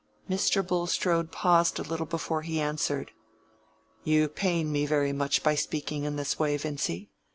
Mr. Bulstrode paused a little before he answered. "You pain me very much by speaking in this way, Vincy.